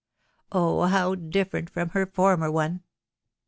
. Oh how different from her former one